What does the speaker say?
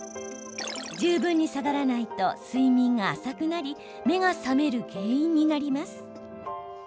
十分に下がらないと睡眠が浅くなり目が覚める原因になります。